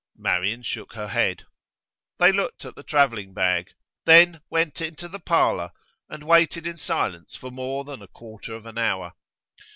Marian shook her head. They looked at the travelling bag, then went into the parlour and waited in silence for more than a quarter of an hour.